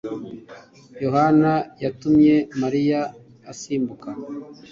Yohana yatumye Mariya asimbuka